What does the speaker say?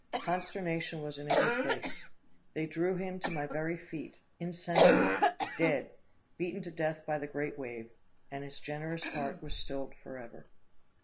Consternation was in every face. They drew him to my very feet insensible dead beaten to death by the great wave; and his generous heart was stilled forever."